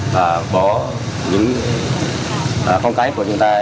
và bỏ những phong cách của chúng ta